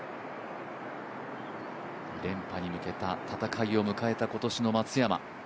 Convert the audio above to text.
連覇に向けた戦いを迎えた今年の松山。